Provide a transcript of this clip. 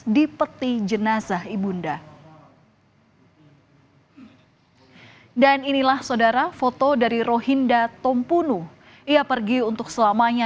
di peti jenazah ibunda hai dan inilah saudara foto dari rohinda tompunu ia pergi untuk selamanya